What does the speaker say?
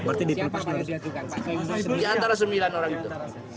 di antara sembilan orang itu